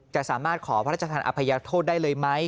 จะสามารถขอพระราชทานอภัยโทษได้เลยไหม